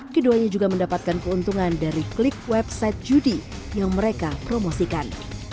keduanya juga mendapatkan keuntungan dari klik website judi yang mereka promosikan